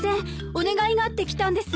お願いがあってきたんです。